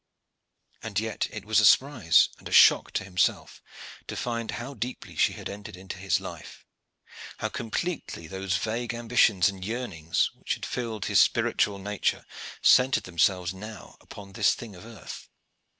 And yet it was a surprise and a shock to himself to find how deeply she had entered into his life; how completely those vague ambitions and yearnings which had filled his spiritual nature centred themselves now upon this thing of earth.